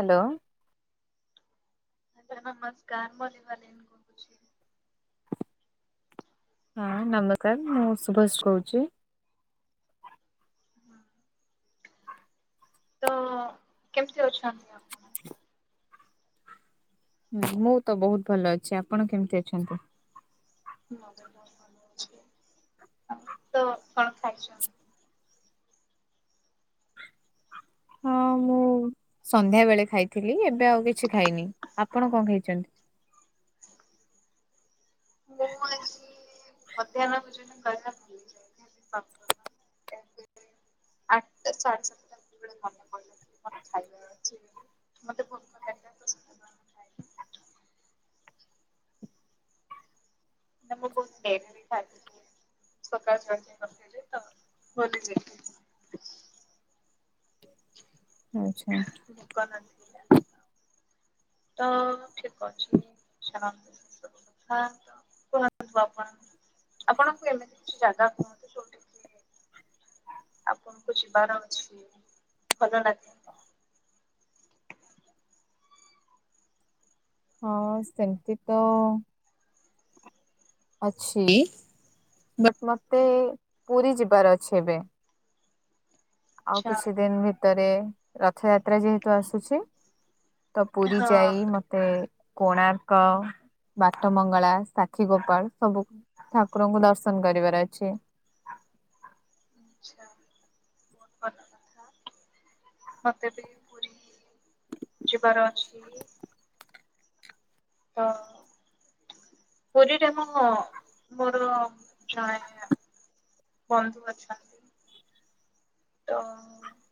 Hello. Madam ନମସ୍କାର [unintelligible] ହଁ ନମକାର ମୁଁ ସୁଭଷ କହୁଛି। ତ କେମିତି ଅଛନ୍ତି ଆପ ହୁଁ ମୁଁ ତ ବହୁତ ଭଲ ଅଛି। ଆପଣ କେମିତି ଅଛନ୍ତି? ଆଉ ତ କଣ ଖାଇଛ? ହଁ ମୁଁ ସନ୍ଧ୍ୟା ବେଳେ ଖାଇଥିଲି ଏବେ ଆଉ କିଛି ଖାଇନି। ଆପଣ କଣ ଖାଇଛନ୍ତି? ମୁଁ ଆଜି ମଧ୍ୟାହ୍ନ ଭୋଜନ କରିବା ଭୁଲି ଯାଇଥିଲି [unintelligible] ଆଠଟା ଶେ ସାତଟା ମନେ ପଇଲା ମୋର ଖାଇବାର ଅଛି। ମତେ ଫୋ ମୁଁ ବହୁତ ଡେରି ରେ ଖାଇଥିଲି ସକାଳ [unintelligible] ତ ଭୋଲି ଯାଇଥିଲି। ଆଛା। ଭିକ ନା ତ ଠିକ ଅଛି ଚାଲନ୍ତୁ। ଥା କୁହନ୍ତୁ ଆପଣ ଆପଣଙ୍କୁ ଏମିତି କିଛି ଜାଗା କୁହନ୍ତୁ? ଆପଣଙ୍କୁ ଯିବାର ଅଛି ଭଲ ଲାଗେ। ହଁ ସେମିତି ତ ଅଛି। ବଟ ମତେ ପୁରୀ ଯିବାର ଅଛି ଏବେ। ଆଉ କିଛି ଦିନ ଭିତରେ ରଥଯାତ୍ରା ଯେହେତୁ ଆସୁଛି। ତ ପୁରୀ ଯାଇ ମତ ମତେ କୋଣାର୍କ, ବାଟ ମଙ୍ଗଳା, ସାକ୍ଷୀ ଗୋପାଳ ସବୁ ଠାକୁରଙ୍କୁ ଦର୍ଶନ କରିବାର ଅଛି। ଆଛା, ବହୁତ ଭଲ କଥା ମତେ ବି ପୁରୀ ଯିବାର ଅଛି। ତ ପୁରୀରେ ମୁଁ ମୋର ଜଣେ ବନ୍ଧୁ ଅଛନ୍ତି। ତ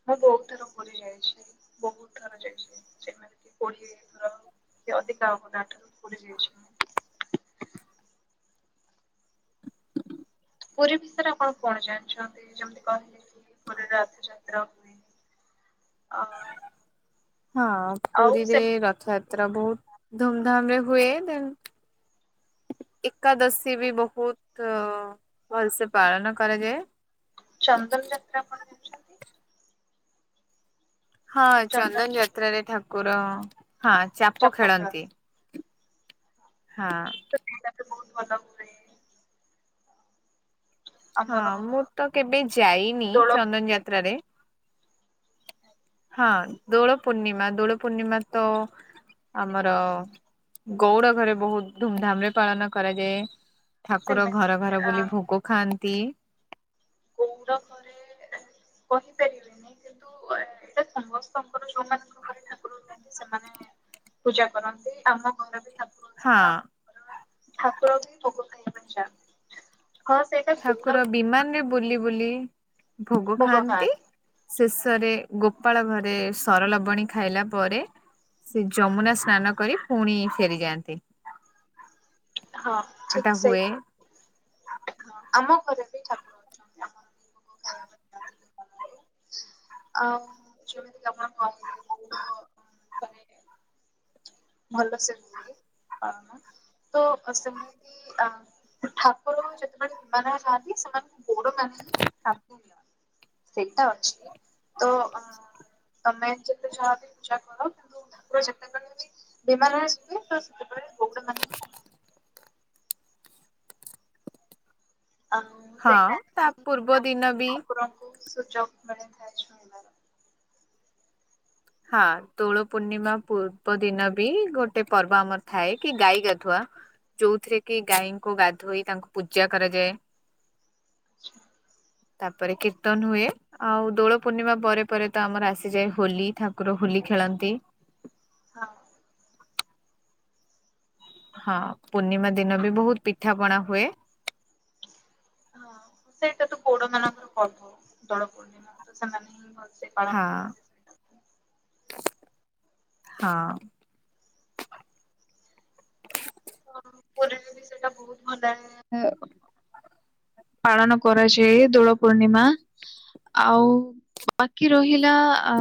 ମୁଁ ବହୁତ ଥର ପୁରୀ ଯାଇଛି। ବହୁତ ଥର ଯାଇଛି ଯେମିତି କି କୋଡିଏ ଥର କି ଅଧିକା ହବ ତା ଠାରୁ। ପୁରୀ ଯାଇଛୁ। ପୁରୀ ବିଷୟରେ ଆପଣ କଣ ଜାଣିଛନ୍ତି ଯେମିତି କହିଲେ କି ପୁରୀରେ ରଥଯାତ୍ରା ହୁଏ? ଅ ହଁ ପୁରୀରେ ରଥଯାତ୍ରା ବହୁତ ଧୁମଧାମ ରେ ହୁଏ ଦେନ୍ ଏକାଦଶୀ ବି ବହୁତ ଭଲସେ ପାଳନ କରାଯାଏ। ଚନ୍ଦନ ଯାତ୍ରା ଆପଣ ଜାଣି ହଁ ଚନ୍ଦନ ଯାତ୍ରାରେ ଠାକୁର ଅ ହଁ ଚାପ ଖେଳନ୍ତି। ହଁ। [inaudible] ବହୁତ ଭଲ ହୁଏ। ହଁ ମୁଁ ତ କେବେ ଯାଇନି ଚନ୍ଦନ ଯାତ୍ରାରେ। [unintelligible] ହଁ ଦୋଳ ପୂର୍ଣ୍ଣିମା ଦୋଳ ପୂର୍ଣ୍ଣିମା ତ ଆମର ଗଉଡ ଘରେ ବହୁତ ଧୁମଧାମ ରେ ପାଳନ କରାଯାଏ। ଠାକୁର ଘର ଘର ବୁଲି ଭୋଗ ଖାଆନ୍ତି। ଗଉଡ ଘରେ କହିପାରିବିନି କିନ୍ତୁ ଏଇଟା ସମସ୍ତଙ୍କର ଯୋଉ ମାନଙ୍କ ଘରେ ଠାକୁର ସେମାନେ ପୂଜା କରନ୍ତି ଆମ ଘରେ ବିଠାକୁର ହଁ ଅଛନ୍ତି ଆମ ଘର ଠାକୁର ବି ଭୋଗ ଖାଇବା ପାଇଁ ଯାଆନ୍ତି। ହଁ ସେ ଠାକୁର ବିମାନ ରେ ବୁଲି ବୁଲି ଭୋଗ ଖାଆନ୍ତି। ଶେଷରେ ଗୋପାଳ ଘରେ ସରଲବଣୀ ଖାଇଲା ପରେ ସେ ଯମୁନା ସ୍ନାନ କରି ପୁଣି ଫେରିଯାଆନ୍ତି। ହଁ ଏଟା ଠିକ ସେଇ ହୁଏ। ହଁ ଆମ ଘରେ ବି ଠାକୁର ଅଛନ୍ତି ଆମର ବି ଭୋଗ ଖାଇବା [unintelligible] ଆଉ ଯେମିତି କି ଆପଣ କହିଲେ ଗଉଡ଼ ଭଲସେ ହୁଏ ପାଳନ। ତ ସେମିତି ଆ ଠାକୁର ଯେତେବେଳେ ବିମାନ ରେ ଯାଆନ୍ତି ସେମାନେ ଗୋଡ ନାହିଁ [inaudible] ସେଇଟା ଅଛି ତ ତମେ ଯେତେ ଯାହା ବି ପୂଜା କର କିନ୍ତୁ ଠାକୁର ଯେତେବେଳେ ବି ବିମାନରେ ଆସୁଥିବେ ତ ସେତେବେଳେ ହଁ ତା ପୂର୍ବ ଦିନ ବି ବହୁତ ସୁଯୋଗ ମିଳିଥାଏ। ହଁ ଦୋଳ ପୂର୍ଣ୍ଣିମା ପୂର୍ବ ଦିନ ବି ଗୋଟେ ପର୍ବ ଆମର ଥାଏ କି ଗାଈ ଗାଧୁଆ ଯୋଉଥିରେ କି ଗାଈଙ୍କୁ ଗାଧୋଇ ତାଙ୍କୁ ପୂଜା କରାଯାଏ। ଆଚ୍ଛା। ତାପରେ କୀର୍ତ୍ତନ ହୁଏ ଆଉ ଦୋଳ ପୂର୍ଣ୍ଣିମା ପରେ ପରେ ତ ଆମର ଆସିଯାଏ ହୋଲି ଠାକୁର ହୋଲି ଖେଳନ୍ତି। ହଁ। ହଁ ପୂର୍ଣ୍ଣିମା ଦିନ ବି ବହୁତ ପିଠା ପଣା ହୁଏ। ହଁ ସେଇଟା ତ ଗଉଡ଼ ମାନଙ୍କର ପର୍ବ ଦୋଳ ପୂର୍ଣ୍ଣିମା ତ ସେମାନେ ହିଁ ଭଲ ହଁ ହଁ। ପୁରୀ ରେ ବି ସେଟା ବହୁତ ଭଲ ଏ ପାଳନ କରାଯାଏ ଦୋଳ ପୂର୍ଣ୍ଣିମା। ଆଉ ବାକି ରହିଲା ଆ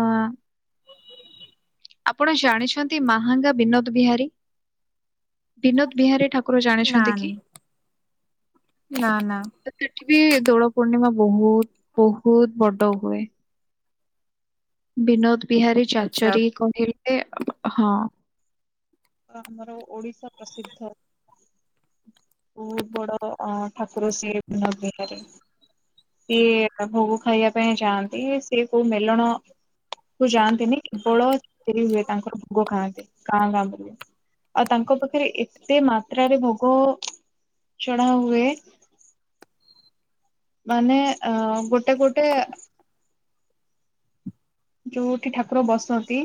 ଆପଣ ଜାଣିଛନ୍ତି ମାହାଙ୍ଗା ବିନୋଦ ବିହାରୀ ବିନୋଦ ବିହାରୀ ଠାକୁର ଜାଣିଛନ୍ତି ନାନ୍ କି? ନା ନା ତ ସେଠି ବି ଦୋଳ ପୂର୍ଣ୍ଣିମା ବହୁତ ବହୁତ ବଡ ହୁଏ। ବିନୋଦ ବିହାରୀ ଆଚ୍ଛା ଚାଚରୀ କହିଲେ ଏ ହଁ। ବହୁତ ବଡ ଆଁ ଠାକୁର ସିଏ ବିନୋଦ ବିହାରୀ। ସିଏ ଭୋଗ ଖାଇବା ପାଇଁ ଯାଆନ୍ତି ସିଏ କୋଉ ମେଲଣ କୁ ଯାଆନ୍ତିନି କେବଳ [inaudible] ହୁଏ ତାଙ୍କର ଭୋଗ ଖାଆନ୍ତି ଗାଁ ଗାଁ ବୁଲି। ଆଉ ତାଙ୍କ ପାଖରେ ଏତେ ମାତ୍ରାରେ ଭୋଗ ଚଢା ହୁଏ ମାନେ ଅ ଗୋଟେ ଗୋଟେ ଯୋଉଠି ଠାକୁର ବସନ୍ତି।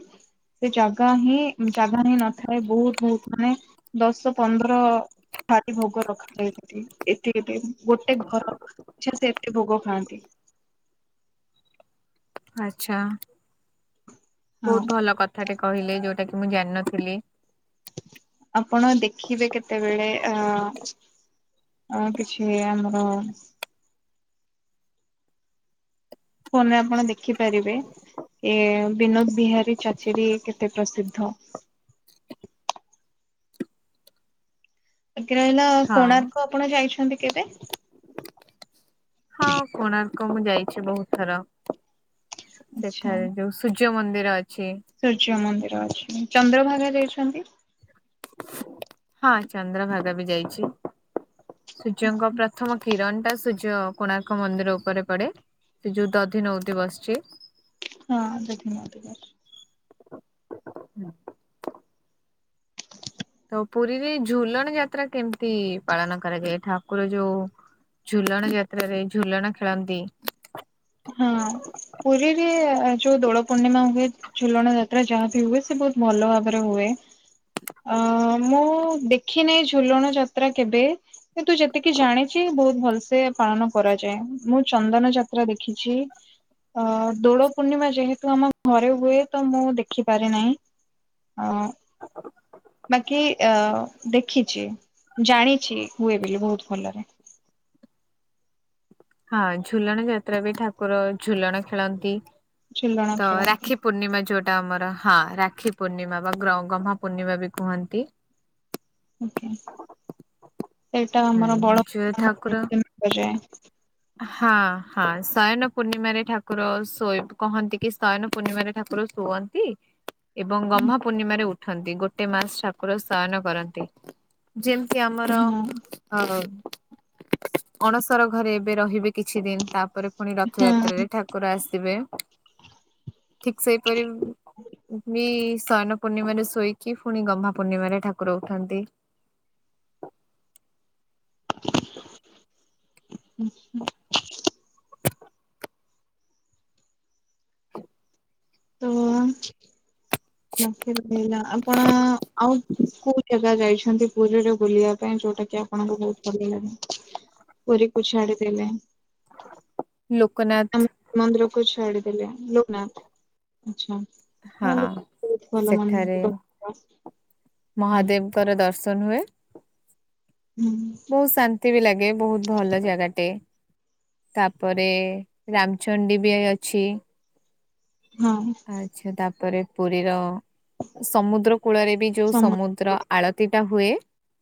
ସେ ଜାଗା ହିଁ ଜାଗା ହିଁ ନଥାଏ ବହୁତ ବହୁତ ମାନେ ଦଶ ପନ୍ଦର ର ଭୋଗ ରଖାଯାଇ ଏତିକ ଗୋଟେ ଘର ଇଛା ସେମତି ଭୋଗ ଖାଆନ୍ତି। ଆଛା ବହୁତ ଭଲ କଥାଟେ କହିଲେ ଯୋଉଟା କି ମୁଁ ଜାଣିନଥିଲି। ଆପଣ ଦେଖିବେ କେତେବେଳେ ଅ ଆଉ କିଛି ଆମର ଫୋନରେ ଆପଣ ଦେଖିପାରିବେ। ଏ ବିନୋଦ ବିହାରୀ ଚାଚିରୀ କେତେ ପ୍ରସିଦ୍ଧ। ବାକି ରହିଲା ହଁ କୋଣାର୍କ ଆପଣ ଯାଇଛନ୍ତି କେବେ? ହଁ କୋଣାର୍କ ମୁଁ ଯାଇଛି ବହୁତ ଥର ଆଚ୍ଛା ସେଠାରେ ଯୋଉ ସୂର୍ଯ୍ୟ ମନ୍ଦିର ଅଛି। ସୂର୍ଯ୍ୟ ମନ୍ଦିର ଅଛି ଚନ୍ଦ୍ରଭାଗା ଯାଇଛନ୍ତି? ହଁ ଚନ୍ଦ୍ରଭାଗା ବି ଯାଇଛି ସୂର୍ଯ୍ୟଙ୍କପ୍ର ପ୍ରଥମ କିରଣ ଟା ସୂର୍ଯ୍ୟ କୋଣାର୍କ ମନ୍ଦିର ଉପରେ ପଡେ ସେ ଯୋଉ ଦଧି ନଉତି ବସିଛି ହଁ ଦେଖିନ ଟିକ ଅଛି ତ ପୁରୀରେ ଝୁଲଣ ଯାତ୍ରା କେମିତି ପାଳନ କରାଯାଏ ଠାକୁର ଯୋଉ ଝୁଲଣ ଯାତ୍ରାରେ ଝୁଲଣ ଖେଳନ୍ତି ହଁ ପୁରୀରେ ଯୋଉ ଦୋଳ ପୂର୍ଣ୍ଣିମା ହୁଏ ଝୁଲଣ ଯାତ୍ରା ଯାହାବି ହୁଏ ସେ ବହୁତ ଭଲ ଭାବରେ ହୁଏ ଅ ମୁଁ ଦେଖିନାହିଁ ଝୁଲଣ ଯାତ୍ରା କେବେ କି ତୁ ଯେତିକି ଜାଣିଚ ବହୁତ ଭଲସ ପାଳନ କରାଯାଏ ମୁଁ ଚନ୍ଦନ ଯାତ୍ରା ଦେଖ ଦେଖିଛି ଅ ଦୋଳ ପୂର୍ଣ୍ଣିମା ଯେହେତୁ ଆମ ଘରେ ହୁଏ ତ ମୁଁ ଦେଖିପାରି ନାହିଁ ହଁ ବାକି ଅ ଦେଖିଛି ଜାଣିଛି ହୁଏ ବୋଲି ବହୁତ ଭଲରେ ହଁ ଝୁଲଣ ଯାତ୍ରା ବି ଠାକୁର ଝୁଲଣ ଖେଳନ୍ତି ତ ରାକ୍ଷୀ ପୂର୍ଣ୍ଣିମା ଯୋଉଟ ଟା ଆମର ହଁ ରାକ୍ଷୀ ପୂର୍ଣ୍ଣିମା ବା ଗ ଗହମା ପୂର୍ଣ୍ଣିମା ବି କୁହନ୍ତି ସେଇଟା ହୁଁ ଆମର ଯୋଉ ଠାକୁର ବାଏ ହଁ ହଁ ଶୟନ ପୂର୍ଣ୍ଣିମାରେ ଠାକୁର ଶୋଇ କହନ୍ତି କି ଶୟନ ପୂର୍ଣ୍ଣିମାରେ ଠାକୁର ଶୁଅନ୍ତି [inaudible] ଏବଂ ଗମହା ପୂର୍ଣ୍ଣିମାରେ ଉଠନ୍ତି ଗୋଟେ ମାସ ଠାକୁର ଶୟନ କରନ୍ତି ଯେମତି ଆମର ଅ ଅଣସର ଘରେ ଏବେ ରହିବେ କିଛି ଦିନ ତାପରେ ପୁଣି ରଥଯାତ୍ରାରେ ଠାକୁର ଆସିବେ ଠିକ୍ ସେଇପରି ବି ସୟନ ପୂର୍ଣ୍ଣିମାମାରେ ଶୋଇକି ପୁଣି ଗମହା ପୂର୍ଣ୍ଣିମାରେ ଠାକୁର ଉଠନ୍ତି ହୁଁ ହ [inaudible] ତ ବାକିିଲ ଆପଣ ଆଉ କୋଉ ଜାଗା ଯାଇଛନ୍ତି ପୁରୀରେ ବୁଲିବା ପାଇଁ ଯୋଉଟା ଆପଣଙ୍କୁ ବହୁତ ଭଲ ଲାଗେ ପୁରୀକୁ ଛାଡିଦେଲେ ଲୋକନାଥ ମନ୍ଦିର କୁ ଛାଡିଦେଲେ ଲୋକନାଥ ଆଛା ହଁ ଲ ବହୁତ ଭଲ ସେଠାରେ ମନ୍ଦିରରେ ଙ୍କର ଦର୍ଶନ ହୁଏ ହୁଁ ବହୁତ ଶାନ୍ତି ବି ଲାଗେ ବହୁତ ଭଲ ଜାଗାଟେ ତାପରେ ରାମଚଣ୍ଡୀ ବି ଅଛି। ହଁ ଆଚ୍ଛା ତାପରେ ପୁରୀର ସମୁଦ୍ର କୂଳରେ ବି ଯୋଉ ସମୁଦ୍ର। ଆଳତି ଟା ହୁଏ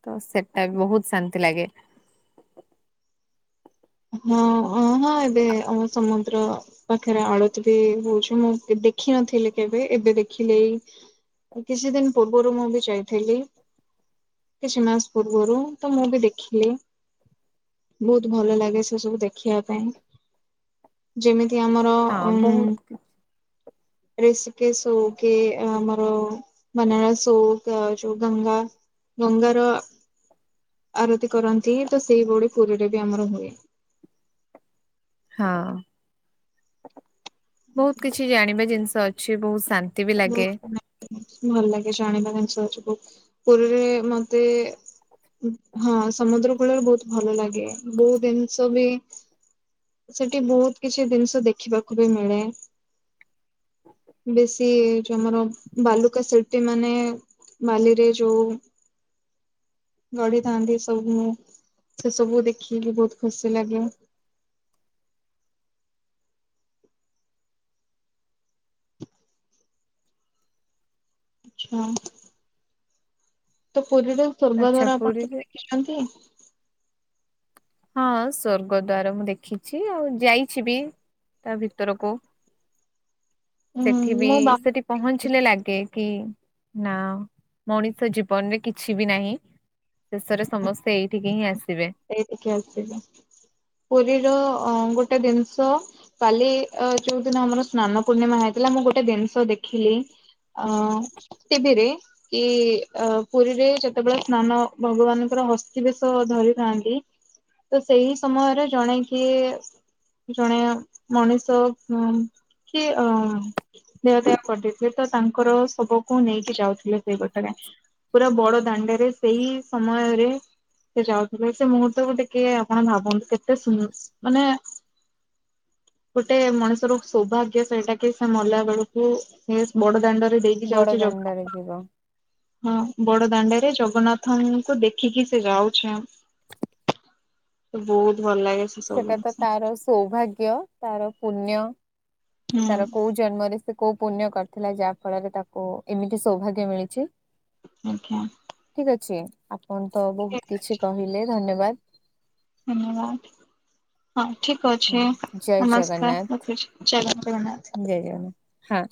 ତ ସେଟା ବି ବହୁତ ଶାନ୍ତି ଲାଗେ। ହଁ ଓ ହଁ ଏବେ ଆମ ସମ ସମୁଦ୍ର ପାଖରେ ଆଳତି ବି ହଉଛି ମୁଁ ଦେଖିନଥିଲି କେବେ ଏବେ ଦେଖିଲି ଏଇ। କିଛି ଦିନ ପୂର୍ବରୁ ମୁଁ ବି ଯାଇଥିଲି। କିଛି ମାସ ପୂର୍ବରୁ ତ ମୁଁ ବି ଦେଖିଲି ବହୁତ ଭଲ ଲାଗେ। ସେ ସବୁ ଦେଖିବା ପାଇଁ ଯେମିତି ଆମର ହଁ ଉଁ। ବହୁତ [inaudible] ରସିକେସ୍ ହଉ କି ଆମର ବନାରସ ହଉ କି ଯୋଉ ଗଙ୍ଗା। ଗଙ୍ଗାର ଆରତି କରନ୍ତି ତ ସେଇଭଳି ପୁରୀରେ ବି ଆମର ହୁଏ। ହଁ ବହୁତ କିଛି ଜାଣିବା ଜିନିଷ ଅଛି ବହୁତ ଶାନ୍ତି। ବି ଲାଗେ। ଭଲ ଲାଗେ ଜାଣିବା ଜିନିଷ ସହଜୋଗ ପୁରୀରେ ମତେ ହଁ ସମୁଦ୍ର କୂଳରେ ବହୁତ ଭଲ ଲାଗେ ବହୁତ ଜିନିଷ ବି। ସେଠି ବହୁତ କିଛି ଜିନିଷ ଦେଖିବାକୁ ବି ମିଳେ। ବେଶ୍। ଯୋଉ ଆମର ବାଲୁକା ଶିଳ୍ପୀ ମାନେ ବାଲିରେ ଯୋଉ। ଗଢିଥାନ୍ତି ସବୁ ମୁଁ ସେ ସବୁ ଦେଖିକି ବହୁତ ଖୁସି ଲାଗେ। ଆଚ୍ଛା। ତ ପୁରୀର ଆଚ୍ଛା ସ୍ଵର୍ଗଦ୍ଵାର ଆପଣ ତ ପୁରୀରେ ଦେଖିଛନ୍ତି ଆଉ। ହଁ ସ୍ଵର୍ଗଦ୍ଵାର ମୁଁ ଦେଖିଛି ଆଉ ଯାଇଛି ବି ତା ଭିତରକୁ। [inaudible] ସେଠି ବି ମୁଁ ବା ସେଠି ପହଞ୍ଚିଲେ ଲାଗେ କି। ନା ମଣିଷ ଜୀବନରେ କିଛି ବି ନାହିଁ ଶେଷରେ ସମସ୍ତେ ଏଇ। ଏଠିକି ହିଁ ଆସିବେ। ସେଇଠିକି ଆସିବେ ପୁରୀର ଅ ଗୋଟେ ଜିନିଷ। କାଲି ଯୋଉ ଦିନ ଆମର ସ୍ନାନ ପୂର୍ଣ୍ଣିମା ହେଇଥିଲା ମୁଁ ଗୋଟେ ଜିନିଷ ଦେଖିଲି। ଆଁ ଟିଭିରେ କି ପୁରୀରେ ଯେତେବେଳେ ସ୍ନାନ ଭଗବାନଙ୍କର ହ ହସ୍ତୀ ବେଶ ଧରିଥାନ୍ତି ତ ସେଇ ସମୟରେ ଜଣେ କିଏ। ଜଣେ ମଣିଷ କି ଅ। ଦେହ ତ୍ୟାଗ କରିଦେଇଥିଲେ ତ ତାଙ୍କର ଶବକୁ ନେଇକି ଯାଉଥିଲେ ସେଇ ବାଟରେ। ପୁରା ବଡ ଦାଣ୍ଡରେ ସେଇ ସମୟରେ। ସେ ଯାଉଥିଲେ ସେ ମୁହୂର୍ତ୍ତକୁ ଟିକେ ଆପଣ ଭାବନ୍ତୁ କେତେ ସୁ ମାନେ। [inaudible] ଗୋଟେ ମଣିଷର ସୌଭାଗ୍ୟ ସେଇଟା କି ସେ ମଲା ବେଳକୁ ସେ ବଡ ଦାଣ୍ଡରେ ଦେଇ ବଡ ଯାଉଛି ଦାଣ୍ଡରେ ଯିବ ହଁ ବଡ ଦାଣ୍ଡରେ ଜଗନ୍ନାଥଙ୍କୁ ଦେଖିକି। ସେ ଯାଉଛି ବହୁତ ଭଲ ଲାଗେ। ସେ ସବୁ ସେଟା ତ ଜିନିଷ ତାର ସୌଭାଗ୍ୟ ତାର ପୁଣ୍ୟ ତାର କୋଉ ଜନ୍ମରେ ସେ। କୋଉ ପୁଣ୍ୟ କରିଥିଲା ଯାହା ଫଳରେ ତାକୁ ଏମିତି ସୌଭାଗ୍ୟ ମିଳିଛି। ଆଜ୍ଞା। ଠିକ୍ ଅଛି ଆପଣ ତ ଠିକ ବହୁତ କିଛି କହିଲେ ଧନ୍ୟବାଦ। ଧନ୍ୟବାଦ୍। ହଁ ଠିକ୍ ଅଛି ଜୟ ନମସ୍କାର ରଖୁଛି ଜୟ ଜଗନ୍ନାଥ। ହେ ହଁ।